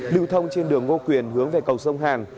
lưu thông trên đường ngô quyền hướng về cầu sông hàn